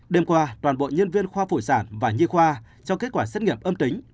đêm qua toàn bộ nhân viên khoa phụ sản và nhi khoa cho kết quả xét nghiệm âm tính